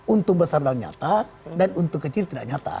untung besar dan nyata dan untung kecil tidak nyata